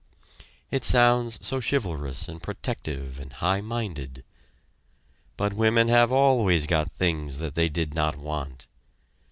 It sounds so chivalrous and protective and high minded. But women have always got things that they did not want.